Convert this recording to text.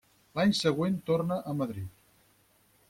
A l'any següent torna a Madrid.